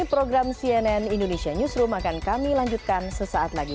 program cnn indonesia newsroom akan kami lanjutkan sesaat lagi